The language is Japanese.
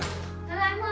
ただいま！